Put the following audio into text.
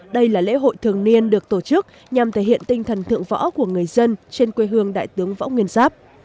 đây là lễ hội thường niên được tổ chức nhằm thể hiện tinh thần thượng võ của người dân trên quê hương đại tướng võ nguyên giáp